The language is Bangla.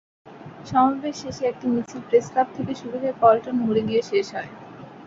সমাবেশ শেষে একটি মিছিল প্রেসক্লাব থেকে শুরু হয়ে পল্টন মোড়ে গিয়ে শেষ হয়।